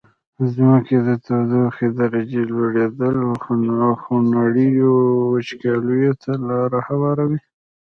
د ځمکي د تودوخي د درجي لوړیدل خونړیو وچکالیو ته لاره هواروي.